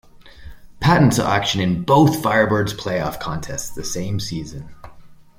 Patten saw action in both Firebirds' playoff contests the same season.